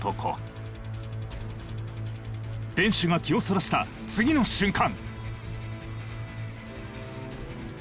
店主が気をそらした次の瞬間！